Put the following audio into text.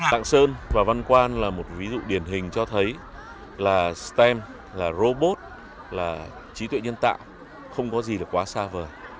tạng sơn và văn quan là một ví dụ điển hình cho thấy là stem là robot là trí tuệ nhân tạo không có gì là quá xa vời